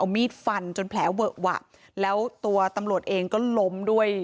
มีดฟันจนแผลเวอะหวะแล้วตัวตำรวจเองก็ล้มด้วย